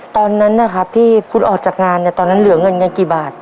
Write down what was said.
ตอนนั้นนะครับที่คุณออกจากงานเนี่ยตอนนั้นเหลือเงินเงินกี่บาท